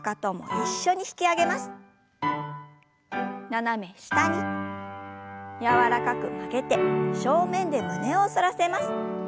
斜め下に柔らかく曲げて正面で胸を反らせます。